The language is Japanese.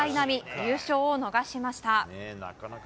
優勝を逃しました。